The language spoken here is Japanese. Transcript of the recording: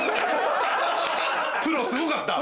プロすごかった？